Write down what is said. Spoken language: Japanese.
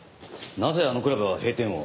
なぜあのクラブは閉店を？